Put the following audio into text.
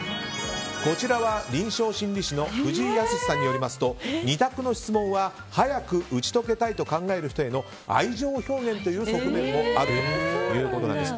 こちらは臨床心理士の藤井靖さんによりますと２択の質問は早く打ち解けたいと考える人への愛情表現という側面もあるということです。